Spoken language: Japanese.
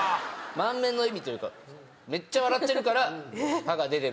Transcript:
満面の笑みというかめっちゃ笑ってるから歯が出てる。